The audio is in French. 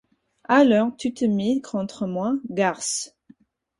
Alors, tu te mets contre moi, garce !…